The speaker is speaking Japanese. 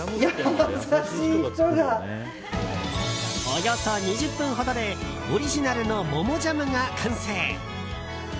およそ２０分ほどでオリジナルの桃ジャムが完成。